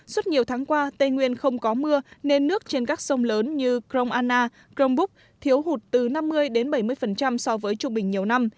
suốt nhiều tháng qua tây nguyên không có mưa nên nước trên các sông lớn như krong anna crong búc thiếu hụt từ năm mươi đến bảy mươi so với trung bình nhiều năm